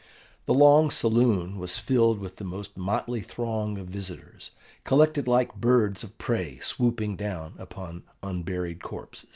The long saloon was filled with the most motley throng of visitors, collected like birds of prey swooping down upon an unburied corpse.